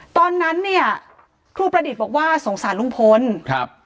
ตอนนั้นเนี่ยครูประดิษฐ์บอกว่าสงสารลุงพลครับ